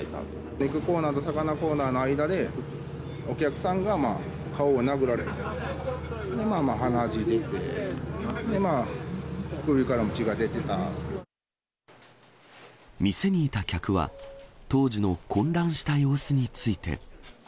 肉コーナーと魚コーナーの間で、お客さんがまあ、顔を殴られて、店にいた客は、当時の混乱した様子について。